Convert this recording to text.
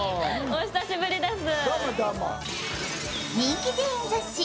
お久しぶりです。